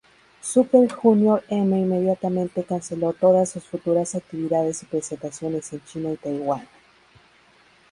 Super Junior-M inmediatamente canceló todas sus futuras actividades y presentaciones en China y Taiwán.